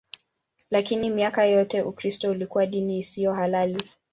Lakini miaka yote Ukristo ulikuwa dini isiyo halali.